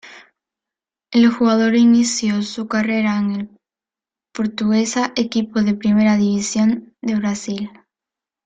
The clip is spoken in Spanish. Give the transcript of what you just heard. El jugador inició su carrera en el Portuguesa, equipo de primera división de Brasil.